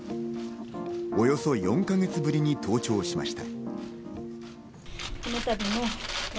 およそ４か月ぶりに登庁しました。